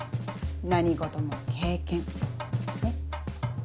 何事も経験ねっ。